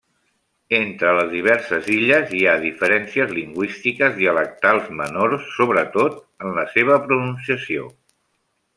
Entre les diverses illes hi ha diferències lingüístiques dialectals menors, sobretot en la seva pronunciació.